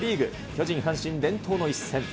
巨人、阪神伝統の一戦。